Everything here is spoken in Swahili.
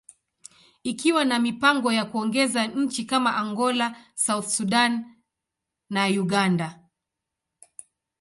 ikiwa na mipango ya kuongeza nchi kama Angola, South Sudan, and Uganda.